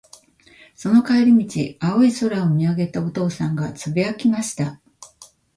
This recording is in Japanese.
その帰り道、青い空を見上げたお父さんが、つぶやきました。